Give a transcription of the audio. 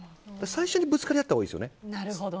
最初にぶつかり合ったほうがいいですよね。